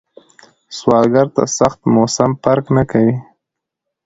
سوالګر ته سخت موسم فرق نه کوي